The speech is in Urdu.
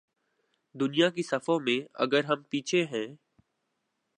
دنیا کی صفوں میں اگر ہم پیچھے ہیں۔